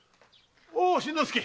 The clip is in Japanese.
新之助！